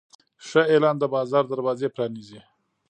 ښه اعلان د بازار دروازې پرانیزي.